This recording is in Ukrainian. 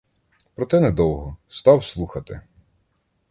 Проте недовго: став слухати.